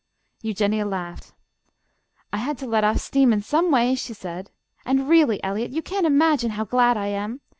Eugenia laughed. "I had to let off steam in some way," she said; "and really, Eliot, you can't imagine how glad I am.